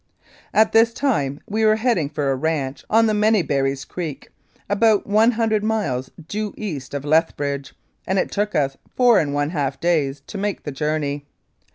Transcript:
At this time we were heading for a ranch on the Many Berries Creek, about one hundred miles due east of Lethbridge, and it took us four and one half days to make the journey.